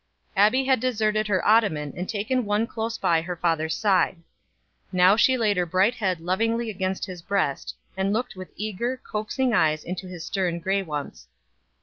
Abbie had deserted her ottoman and taken one close by her father's side. Now she laid her bright head lovingly against his breast, and looked with eager, coaxing eyes into his stern gray ones.